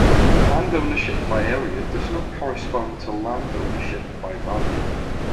Land ownership by area does not correspond to land ownership by value.